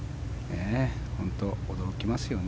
本当に驚きますよね。